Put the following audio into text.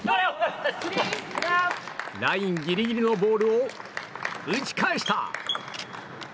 ラインギリギリのボールを打ち返した！